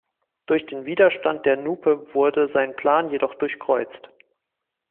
Durch den Widerstand der Nupe wurde sein Plan jedoch durchkreuzt.